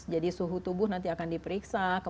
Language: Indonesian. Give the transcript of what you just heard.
jadi suhu tubuh nanti akan diperiksa